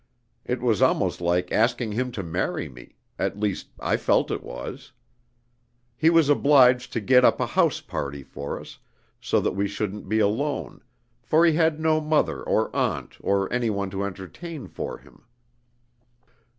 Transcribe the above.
It was almost like asking him to marry me at least I felt it was. He was obliged to get up a house party for us, so that we shouldn't be alone, for he had no mother or aunt or any one to entertain for him.